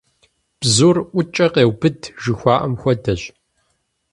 Бзур ӀукӀэ къеубыд, жыхуаӀэм хуэдэщ.